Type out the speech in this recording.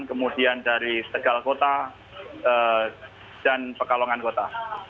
kemudian dari tegal kota dan pekalongan kota